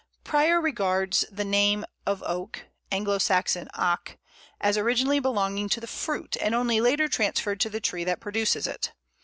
Prior regards the name Oak (Anglo Saxon ac) as originally belonging to the fruit, and only later transferred to the tree that produces it.